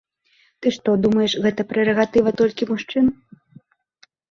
Ты што, думаеш, гэта прэрагатыва толькі мужчын?